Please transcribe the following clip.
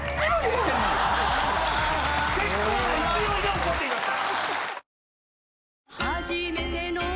結構な勢いで怒っていました。